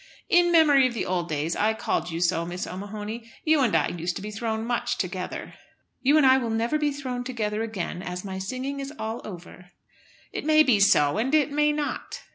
"In memory of the old days I called you so, Miss O'Mahony. You and I used to be thrown much together." "You and I will never be thrown together again, as my singing is all over." "It may be so and it may not."